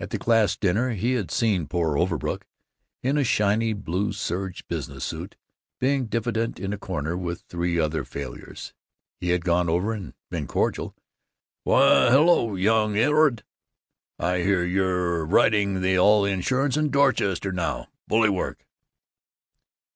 At the class dinner he had seen poor Overbrook, in a shiny blue serge business suit, being diffident in a corner with three other failures. He had gone over and been cordial: "Why, hello, young Ed! I hear you're writing all the insurance in Dorchester now. Bully work!"